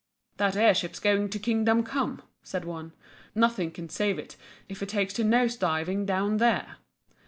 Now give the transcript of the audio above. "That air ship's going to kingdom come!" said one "Nothing can save it if it takes to nose diving down there!"